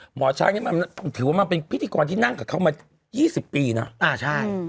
หมอช้างถือว่ามันเป็นพิธีกรที่นั่งกับเข้ามา๒๐ปีเนอะ